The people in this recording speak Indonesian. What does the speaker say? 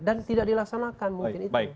dan tidak dilaksanakan mungkin itu